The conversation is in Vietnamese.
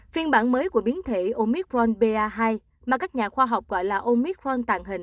phiên bản mới của biến thể omicron ba hai mà các nhà khoa học gọi là omicron tạo hình